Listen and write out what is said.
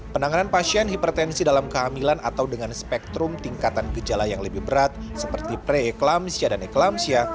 penanganan pasien hipertensi dalam kehamilan atau dengan spektrum tingkatan gejala yang lebih berat seperti preeklampsia dan eklampsia